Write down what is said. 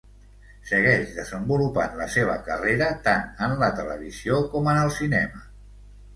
Segueix desenvolupant la seva carrera tant en la televisió com en el cinema.